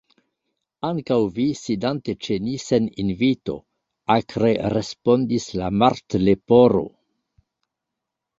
"Ankaŭ vi, sidante ĉe ni sen invito," akre respondis la Martleporo.